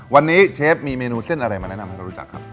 วันนี้เชฟมีเมนูเส้นอะไรมาแนะนำให้เขารู้จักครับ